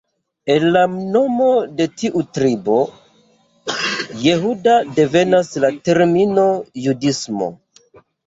El la nomo de tiu tribo, Jehuda, devenas la termino "judismo".